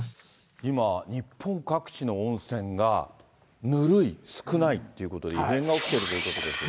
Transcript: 今、日本各地の温泉が、ぬるい、少ないっていうことで、異変が起きているということですが。